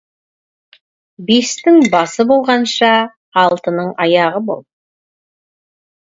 Бестің басы болғанша, алтының аяғы бол.